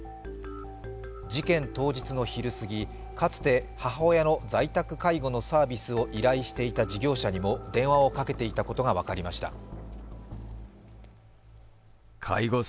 事件当日の昼過ぎ、かつて母親の在宅介護のサービスを依頼していた事業者にも電話をかけていたことが分かりました。